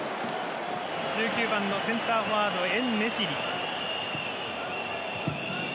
１９番のセンターフォワードエンネシリ。